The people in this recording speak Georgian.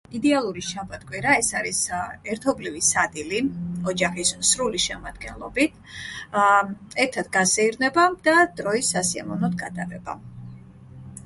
იდეალური შაბათ-კვირა ეს არის... აა... ერთობლივი სადილი ოჯახის სრული შემადგენლობით. ააა... ერთად გასეირნება და დროის სასიამოვნოდ გატარება.